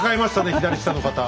左下の方。